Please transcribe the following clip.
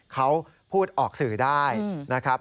เขาพูดออกสื่อได้นะครับ